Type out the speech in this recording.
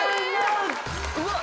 うわっ！